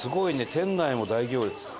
店内も大行列！